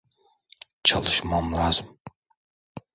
Çalışmam lazım.